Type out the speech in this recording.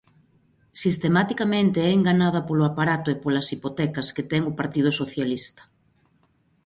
Sistematicamente é enganada polo aparato e polas hipotecas que ten o Partido Socialista.